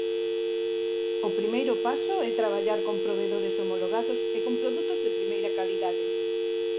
O primeiro paso é traballar con provedores homologados e con produtos de primeira calidade.